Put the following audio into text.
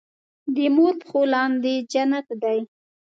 دې مور پښو لاندې جنت دی